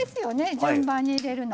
順番に入れるの。